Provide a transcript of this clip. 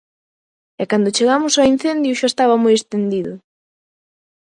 E cando chegamos ao incendio xa estaba moi estendido.